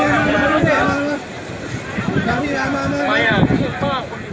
นั่นลูกแดงดูนี่นั่นกระตุก